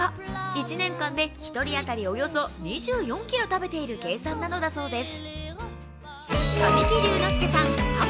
１年間で１人当たりおよそ２４ｋｇ食べている計算なのだそうです。